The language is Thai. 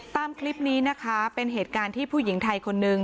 ตามคลิปนี้นะคะเป็นเหตุการณ์ที่ผู้หญิงไทยคนนึง